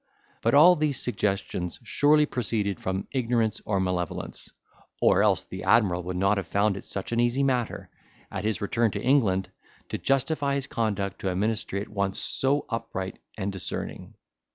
But all these suggestions surely proceeded from ignorance or malevolence, or else the admiral would not have found it such an easy matter, at his return to England, to justify his conduct to a ministry at once so upright and discerning.